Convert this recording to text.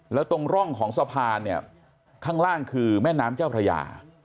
แล้วตรงร่องของสะพานเนี่ยข้างล่างคือแม่น้ำเจ้าพระยา